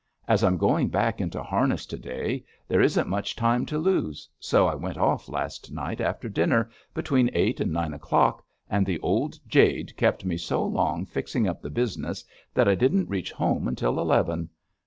As I am going back into harness to day, there wasn't much time to lose, so I went off last night after dinner, between eight and nine o'clock, and the old jade kept me so long fixing up the business that I didn't reach home until eleven.